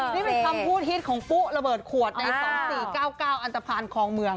นี่เป็นคำพูดฮิตของปุ๊ระเบิดขวดใน๒๔๙๙อันตภัณฑ์คลองเมือง